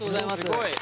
すごい。